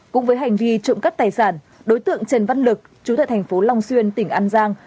cũng với hành vi trộm cắp tài sản đối tượng trần văn lực chú tại thành phố long xuyên tỉnh an giang